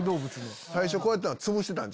最初こうやったんはつぶしてたん？